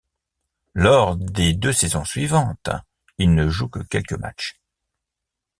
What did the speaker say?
Lors des deux saisons suivantes, il ne joue que quelques matchs.